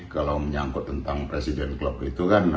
kalau menyangkut tentang presiden klub itu kan